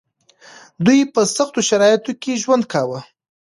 دوی په سختو شرايطو کې ژوند کاوه.